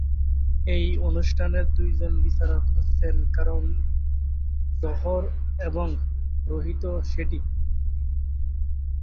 এই অনুষ্ঠানের দুইজন বিচারক হচ্ছেন করণ জোহর এবং রোহিত শেঠি।